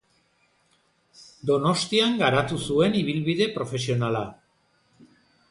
Donostian garatu zuen ibilbide profesionala.